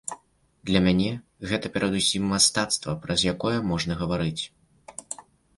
Для мяне гэта перадусім мастацтва, праз якое можна гаварыць.